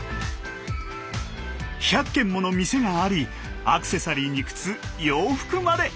１００軒もの店がありアクセサリーに靴洋服まで！